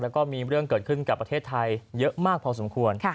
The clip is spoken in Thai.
แล้วก็มีเรื่องเกิดขึ้นกับประเทศไทยเยอะมากพอสมควร